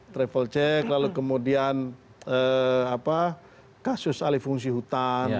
travel check lalu kemudian kasus alih fungsi hutan